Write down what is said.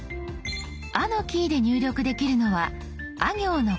「あ」のキーで入力できるのはあ行の５文字。